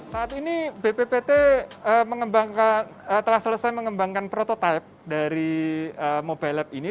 saat ini bppt telah selesai mengembangkan prototipe dari mobile lab ini